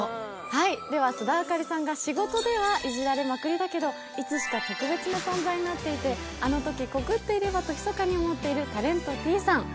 では須田亜香里さんが仕事ではいじられまくりだけど、いつしか特別な存在になっていて、あのとき告っていればとひそかに思っているタレントＴさん。